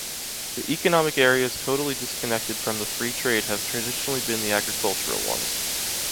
The economic areas totally disconnected from the free trade have traditionally been the agricultural ones.